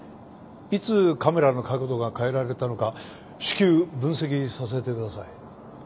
いつカメラの角度が変えられたのか至急分析させてください。